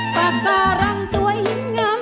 ปากการังสวยยิ้มงาม